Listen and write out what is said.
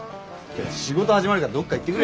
仕事始まるからどっか行ってくれよ。